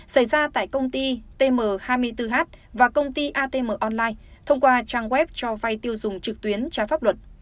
xảy ra tại công ty tm hai mươi bốn h và công ty atm online thông qua trang web cho vay tiêu dùng trực tuyến trái pháp luật